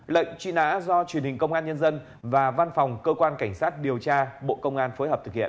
lệnh truy nã do truyền hình công an nhân dân và văn phòng cơ quan cảnh sát điều tra bộ công an phối hợp thực hiện